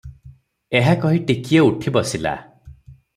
ଏହା କହି ଟିକିଏ ଉଠି ବସିଲା ।